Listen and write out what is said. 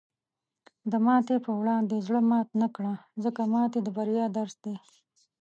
د ماتې په وړاندې زړۀ مات نه کړه، ځکه ماتې د بریا درس دی.